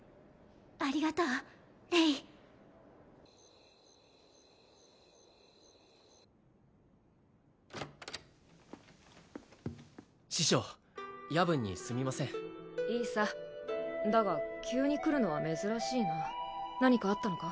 ありがとうレイ師匠夜分にすみませんいいさだが急に来るのは珍しいな何かあったのか？